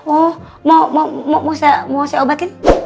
oh mau mau mau saya obatin